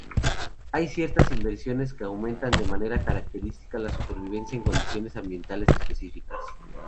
Hay ciertas inversiones que aumentan de manera característica la supervivencia en condiciones ambientales específicas.